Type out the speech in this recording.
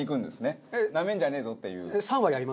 なめんじゃねえぞっていう。